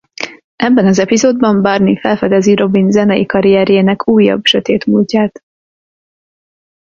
Ebben az epizódban Barney felfedezi Robin zenei karrierjének újabb sötét múltját.